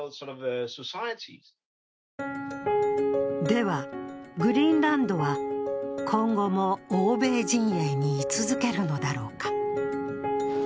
では、グリーンランドは今後も欧米陣営に居続けるのだろうか。